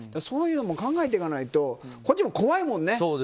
そういうのも考えていかないとこっちも怖いもんね。